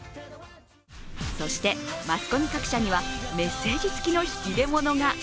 そしてマスコミ各社にはメッセージつきの引き出物が。